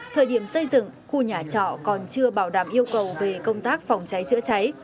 thời điểm xây dựng khu nhà trọ còn chưa bảo đảm yêu cầu về công tác phòng cháy chữa cháy